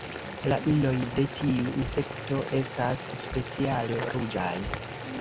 La inoj de tiu insekto estas speciale ruĝaj.